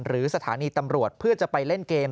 หรือสถานีตำรวจเพื่อจะไปเล่นเกม